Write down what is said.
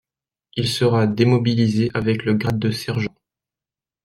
Il sera démobilisé avec le grade de sergent.